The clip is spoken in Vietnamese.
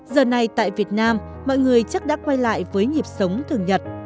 giờ này tại việt nam mọi người chắc đã quay lại với nhịp sống thường nhật